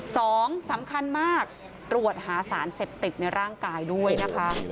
สำคัญมากตรวจหาสารเสพติดในร่างกายด้วยนะคะ